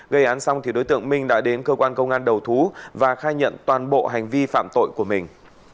gây án xong thì đối tượng minh đã đến cơ quan công an đầu thú và khai nhận toàn bộ hành vi phạm tội của mình